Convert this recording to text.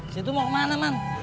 situ mau kemana man